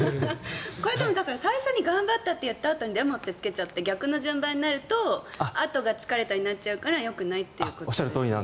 最初に頑張ったって言ったあとに「でも」ってつけちゃって逆の順番になるとあとが疲れたになっちゃうからよくないということですよね。